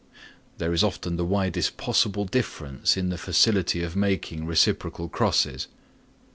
There is often the widest possible difference in the facility of making reciprocal crosses.